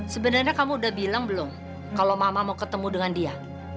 sebenarnya kamu udah bilang belum kalau mama mau ketemu dengan dia